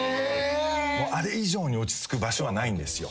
あれ以上に落ち着く場所はないんですよ。